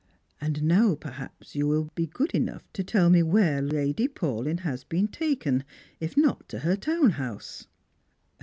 And now perhaps you will be good enough to tell me where Lady Paulyn has been taken —if not to her town house?"